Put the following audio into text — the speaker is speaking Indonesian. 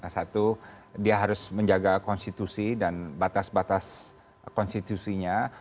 satu dia harus menjaga konstitusi dan batas batas konstitusinya